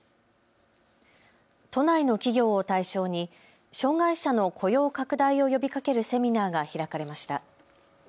都内の企業を対象に障害者の雇用拡大を呼びかけるセミナーが開かれました。